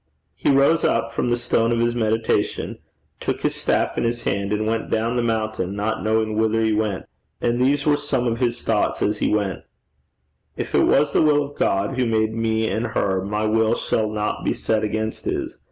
He rose up from the stone of his meditation, took his staff in his hand, and went down the mountain, not knowing whither he went. And these were some of his thoughts as he went: 'If it was the will of God who made me and her, my will shall not be set against his.